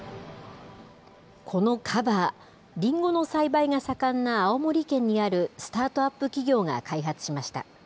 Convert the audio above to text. このカバー、りんごの栽培が盛んな青森県にあるスタートアップ企業が開発しました。